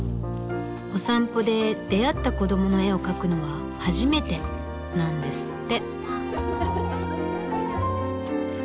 お散歩で出会った子供の絵を描くのは初めてなんですって。